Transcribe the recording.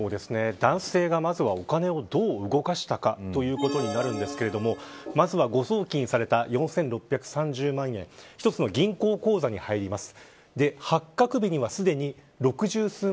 男性が、まずはお金をどう動かしたかということになるんですがまずは誤送金された４６３０万円１つの銀行口座に入ります。